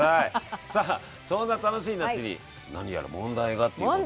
さあそんな楽しい夏に何やら問題がっていうことで。